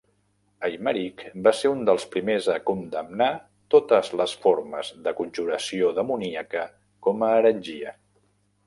Eymerich va ser un dels primers a condemnar totes les formes de conjuració demoníaca com a heretgia.